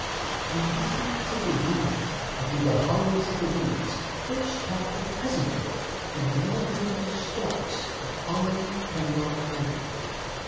And whistlings of the wind Athrough the hollows of the reeds first taught The peasantry to blow into the stalks Of hollow hemlock herb.